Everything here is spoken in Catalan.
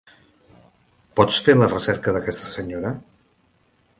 Pots fer la recerca d'aquesta senyora?